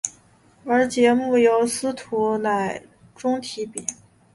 而节目由司徒乃钟题笔。